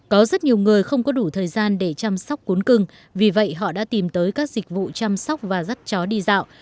có rất nhiều người không có đủ thời gian để chăm sóc cuốn cưng vì vậy họ đã tìm tới các dịch vụ chăm sóc và dắt chó đi dạo